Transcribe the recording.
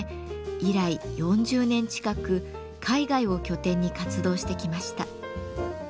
以来４０年近く海外を拠点に活動してきました。